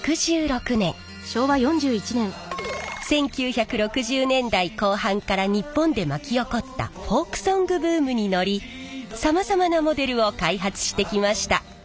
１９６０年代後半から日本で巻き起こったフォークソングブームに乗りさまざまなモデルを開発してきました。